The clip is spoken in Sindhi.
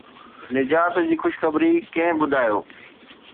نجات جي خوشخبري ڪنهن ٻڌايو؟